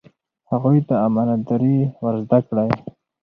هغوی ته امانت داري ور زده کړئ.